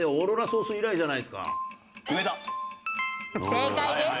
正解です！